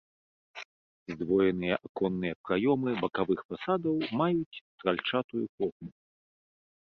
Здвоеныя аконныя праёмы бакавых фасадаў маюць стральчатую форму.